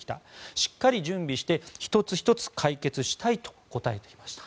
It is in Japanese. しっかり準備して、１つ１つ解決したいと答えていました。